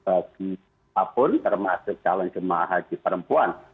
siapapun termasuk calon jemaah haji perempuan